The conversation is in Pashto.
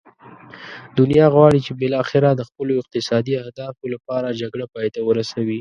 دنیا غواړي چې بالاخره د خپلو اقتصادي اهدافو لپاره جګړه پای ته ورسوي.